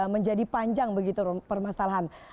menjadi panjang begitu permasalahan